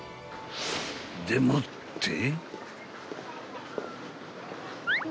［でもって］